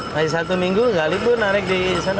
nanti satu minggu nggak libur narik di sana